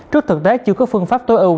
trước thực tế chưa có phương pháp tối ưu